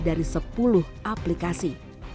dari sepuluh aplikasi